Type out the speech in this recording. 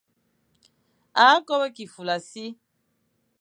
A kobo kig fulassi.